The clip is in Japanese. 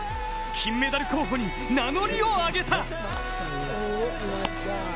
金メダル候補に名乗りを上げた。